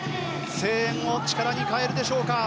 声援も力に変えるでしょうか。